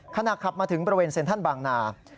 ขณะขับมาถึงบริเวณเซ็นทรัลบางนา